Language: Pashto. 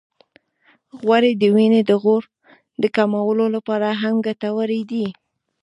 غوړې د وینې د غوړ د کمولو لپاره هم ګټورې دي.